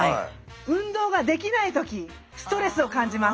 運動ができないときストレスを感じます。